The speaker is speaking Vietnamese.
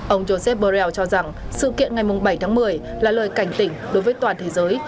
ông josep borrell cho rằng sự kiện ngày bảy tháng một mươi là lời cảnh tỉnh đối với toàn thế giới